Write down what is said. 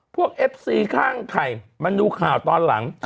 เอฟซีข้างไข่มันดูข่าวตอนหลัง